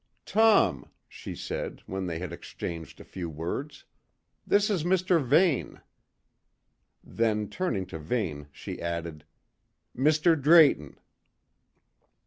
"Tom," she said, when they had exchanged a few words, "this is Mr. Vane," Then turning to Vane she added: "Mr. Drayton."